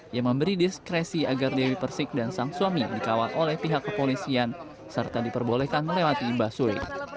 yang memberi diskresi agar dewi persik dan sang suami dikawal oleh pihak kepolisian serta diperbolehkan melewati basure